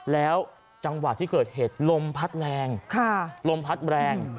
แล้วจังหวะที่เกิดเหตุลมพัดแรงลมพัดแรง